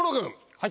はい！